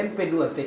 pernah menjual uang